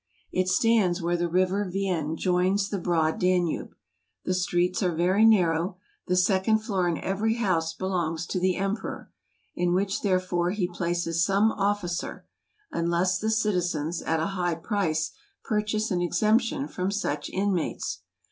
It stands where the river Vien joins the broad Danube. The streets are very narrow. The second floor in every house belongs to the Em¬ peror; in which therefore he places some officer, unless the citizens, at a high price, purchase an exemption from such inmates.